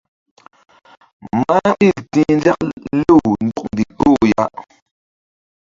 Mah ɓil ti̧h nzak lew ndɔk ndikpoh ya.